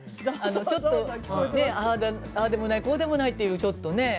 ちょっとねあでもないこでもないっていうちょっとね。